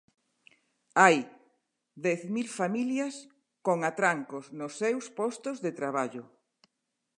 Hai dez mil familias con atrancos nos seus postos de traballo.